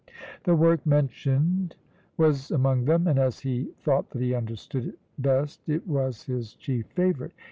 The work mentioned was among them, and as he thought that he understood it best it was his chief favourite.